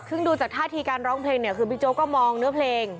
ซึ่งดูจากท่าทีการร้องเพลงเนี่ยคือบิ๊กโจ๊กก็มองเนื้อเพลง